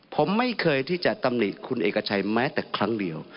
ผมไม่เคยที่จะตำหนิคุณเอกชัยแม้แต่ครั้งเดียว